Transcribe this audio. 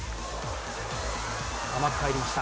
甘く入りました。